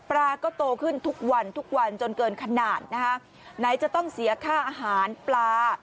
ปลาก็โตขึ้นทุกวันทุกวันจนเกินขนาดนะคะไหนจะต้องเสียค่าอาหารปลา